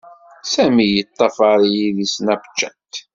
Sami yeṭṭafaṛ-iyi di Snapchat.